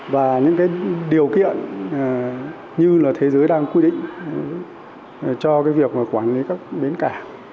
và những điều kiện như thế giới đang quy định cho việc quản lý các bến cả